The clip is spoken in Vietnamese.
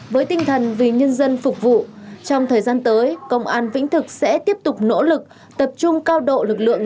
với tinh thần vì nhân dân phục vụ trong thời gian tới công an vĩnh thực sẽ tiếp tục nỗ lực tập trung cao độ lực lượng